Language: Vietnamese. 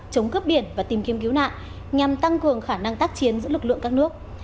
chống cướp biển và tìm kiếm cứu nạn nhằm tăng cường khả năng tác chiến giữa lực lượng các nước